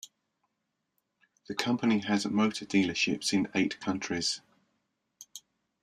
The company has motor dealerships in eight countries.